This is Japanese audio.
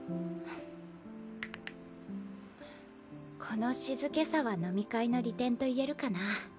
この静けさは飲み会の利点といえるかな。